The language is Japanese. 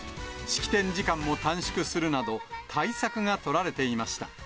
式典時間を短縮するなど、対策が取られていました。